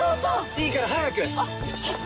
⁉いいから早く！